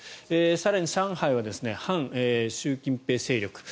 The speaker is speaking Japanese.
更に上海は反習近平勢力。